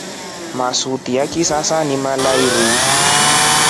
Masuti ya kisasa ni malairii.